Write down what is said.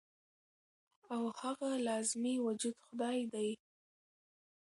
او هغه لازمي وجود خدائے دے -